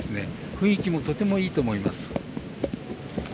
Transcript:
雰囲気もとてもいいと思います。